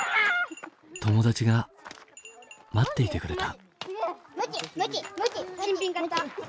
友達が待っていてくれた。